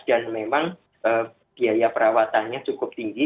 dan memang biaya perawatannya cukup tinggi